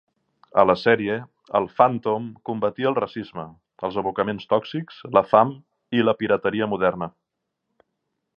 A la sèrie, el Phantom combatia el racisme, els abocaments tòxics, la fam i la pirateria moderna.